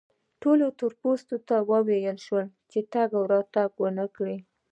ټولو تور پوستو ته وویل شول چې تګ راتګ و نه کړي.